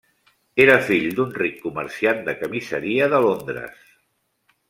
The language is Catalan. Era fill d'un ric comerciant de camiseria de Londres.